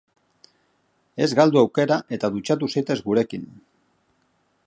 Ez galdu aukera eta dutxatu zaitez gurekin!